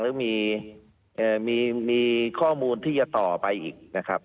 หรือมีข้อมูลที่จะต่อไปอีกนะครับ